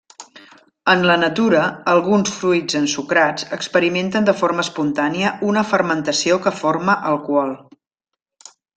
En la natura alguns fruits ensucrats experimenten de forma espontània una fermentació que forma alcohol.